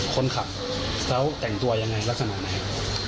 คนขับแล้วแต่งตัวยังไงลักษณะไหน